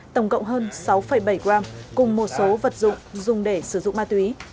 tổng cộng hơn sáu bảy gram cùng một số vật dụng dùng để sử dụng ma túy